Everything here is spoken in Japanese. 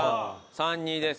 ３：２です。